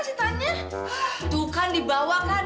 itu kan di bawah kan